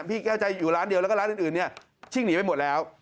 พี่แก้วใจอยู่ร้านเดียวแล้วก็ร้านอื่นเนี่ยชิ่งหนีไปหมดแล้ว